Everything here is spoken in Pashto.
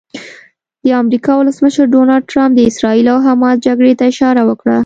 د امریکا ولسمشر ډونالډ ټرمپ د اسراییل او حماس جګړې ته اشاره وکړه.